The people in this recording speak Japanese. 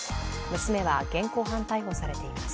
娘は現行犯逮捕されています。